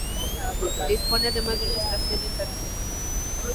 Dispone además de una estación de taxis.